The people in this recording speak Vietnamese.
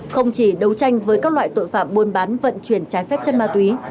không chỉ đấu tranh với các loại tội phạm buôn bán vận chuyển trái phép chân ma túy